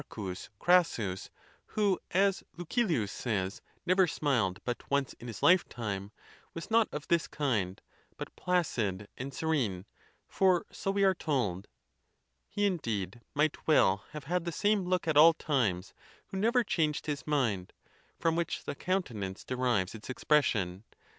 Crassus, who, as Lucilius says, never smiled but once in his lifetime, was not of this kind, but placid and serene, for so we are told. He, indeed, might well have had the same look at all times who never changed his. mind, from which the countenance derives its expres sion.